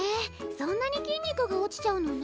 そんなに筋肉が落ちちゃうのね。